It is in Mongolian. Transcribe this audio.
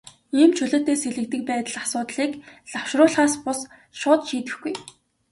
Ийм чөлөөтэй сэлгэдэг байдал асуудлыг лавшруулахаас бус, шууд шийдэхгүй.